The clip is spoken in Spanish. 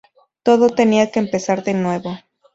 Todo tenía que empezar de nuevo.